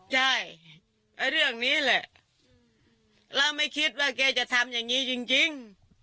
ใช่เรื่องนี้แหละเราไม่คิดว่าแกจะทำอย่างนี้จริง